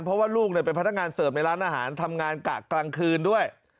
เพราะว่าลูกเป็นพนักงานเสิร์ฟในร้านอาหารทำงานกะกลางคืนด้วย